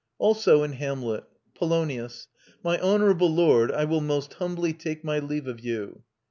Also in "Hamlet"—Polonius: "My honourable lord, I will most humbly take my leave of you.